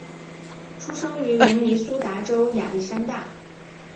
出生于明尼苏达州亚历山大。